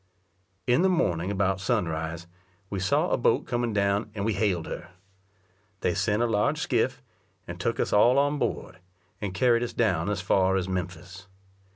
In the morning about sunrise, we saw a boat coming down, and we hailed her. They sent a large skiff, and took us all on board, and carried us down as far as Memphis.